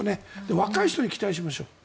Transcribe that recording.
若い人に期待しましょう。